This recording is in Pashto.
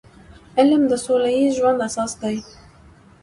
علم د سوله ییز ژوند اساس دی.